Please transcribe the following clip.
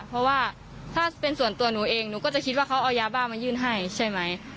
เพราะว่าถ้าเป็นส่วนตัวหนูเองหนูก็จะคิดว่าเขาเอายาบ้ามายื่นให้ใช่ไหม